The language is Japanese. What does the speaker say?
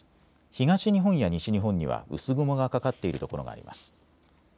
東日本や西日本には薄雲がかかっている所があります。